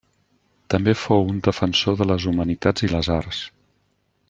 També fou un defensor de les humanitats i les arts.